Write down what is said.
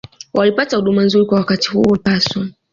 walipata huduma nzuri Kwa wakati huo ulipaswa